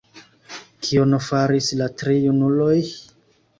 Kion faris la tri junuloj?